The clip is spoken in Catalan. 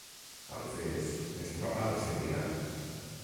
Alfés es troba al Segrià